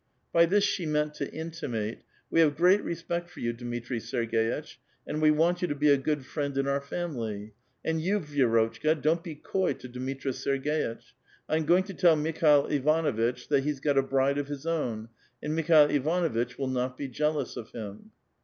IJy this she meant to intimate :'* We have gi'eat respect for you, Dmitri Serg^itch, and we want you to be a good friend in our family. And you, Vi<^M*otchka, don't be coy to Dmitri Serg^itch ; I am going to tell Mikhail Ivanuitch that hc^s got a bride of his own, and Mikhail Ivanuitch will not be jealous of him."